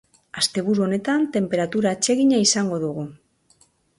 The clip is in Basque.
Asteburu honetan tenperatura atsegina izango dugu.